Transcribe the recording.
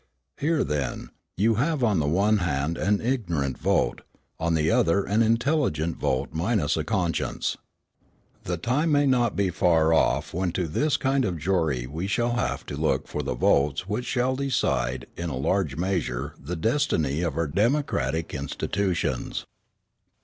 Here, then, you have on the one hand an ignorant vote, on the other an intelligent vote minus a conscience. The time may not be far off when to this kind of jury we shall have to look for the votes which shall decide in a large measure the destiny of our democratic institutions.